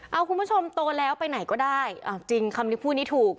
เอาคุณผู้ชมโตแล้วไปไหนก็ได้เอาจริงคำนี้พูดนี้ถูก